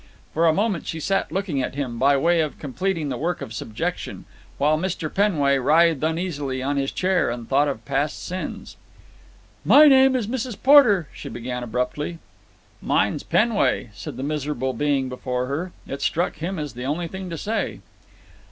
For a moment she sat looking at him, by way of completing the work of subjection, while Mr. Penway writhed uneasily on his chair and thought of past sins. "My name is Mrs. Porter," she began abruptly. "Mine's Penway," said the miserable being before her. It struck him as the only thing to say.